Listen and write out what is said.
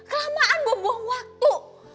kelamaan buang buang waktu